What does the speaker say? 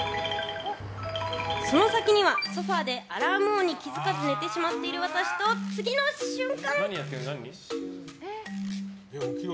その先には、ソファでアラーム音に気づかず寝てしまっている私と、次の瞬間。